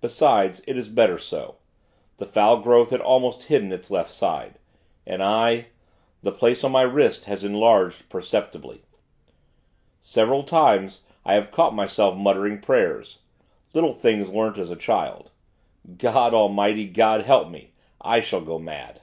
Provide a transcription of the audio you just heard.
Besides, it is better so. The foul growth had almost hidden its left side. And I the place on my wrist has enlarged, perceptibly. Several times, I have caught myself muttering prayers little things learnt as a child. God, Almighty God, help me! I shall go mad.